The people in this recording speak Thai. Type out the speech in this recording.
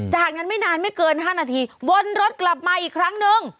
จากนั้นไม่นานไม่เกิน๕นาทีวนรถกลับมาอีกครั้งนึง